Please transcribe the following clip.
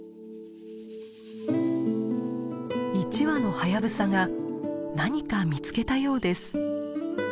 １羽のハヤブサが何か見つけたようです。